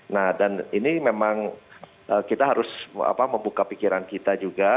nah dan ini memang kita harus membuka pikiran kita juga